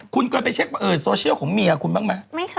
คุณเคยไปเช็คโซเชียลของเมียคุณบ้างไหม